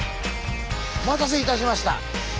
お待たせいたしました。